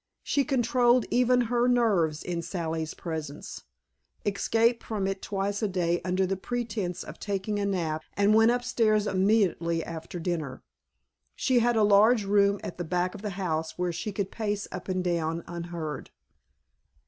She controlled even her nerves in Sally's presence, escaped from it twice a day under pretext of taking a nap, and went upstairs immediately after dinner. She had a large room at the back of the house where she could pace up and down unheard.